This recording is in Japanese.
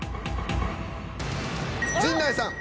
陣内さん。